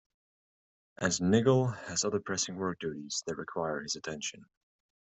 And Niggle has other pressing work duties that require his attention.